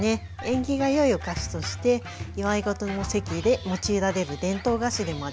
縁起が良いお菓子として祝い事の席で用いられる伝統菓子でもあります。